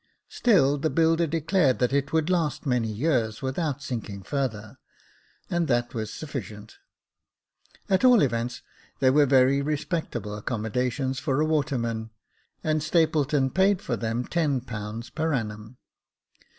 Still the builder declared that it would last many years without sinking further, and that was sufficient. At all events, they were very re 192 Jacob Faithful spectable accommodations for a waterman, and Stapleton paid for them jTlo per annum.